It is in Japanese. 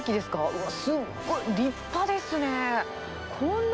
うわ、すっごい、立派ですね。